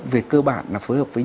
về cơ bản là phối hợp với